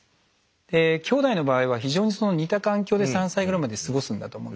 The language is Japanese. できょうだいの場合は非常に似た環境で３歳ぐらいまで過ごすんだと思うんですね。